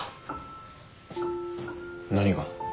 何が？